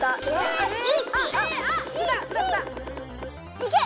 いけ！